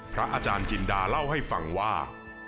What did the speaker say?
พระอาจารย์จินดาเล่าให้ฟังว่า